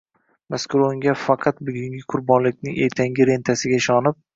mazkur o‘yinga faqat bugungi qurbonlikning ertangi rentasiga ishonib